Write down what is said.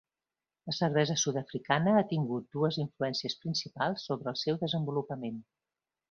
La cervesa sud-africana ha tingut dues influències principals sobre el seu desenvolupament.